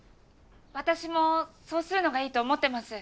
私もそうするのがいいと思ってます。